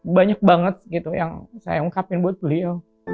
banyak banget gitu yang saya ungkapin buat beliau